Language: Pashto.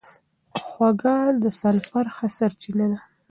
هوږه د سلفر ښه سرچینه ده.